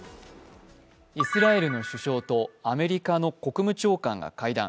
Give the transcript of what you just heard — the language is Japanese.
イスラエルの首相とアメリカの国務長官が会談。